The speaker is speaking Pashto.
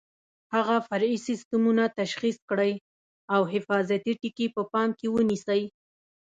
هغه فرعي سیسټمونه تشخیص کړئ او حفاظتي ټکي په پام کې ونیسئ.